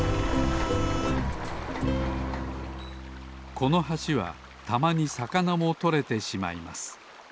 この橋はたまにさかなもとれてしまいます。